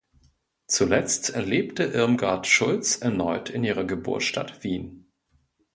Zuletzt lebte Irmgard Schulz erneut in ihrer Geburtsstadt Wien.